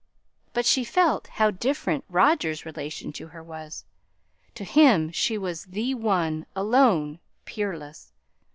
But she felt how different Roger's relation to her was. To him she was the one, alone, peerless.